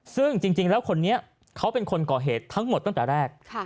ซึ่งจริงแล้วคนนี้เขาเป็นคนก่อเหตุทั้งหมดตั้งแต่แรก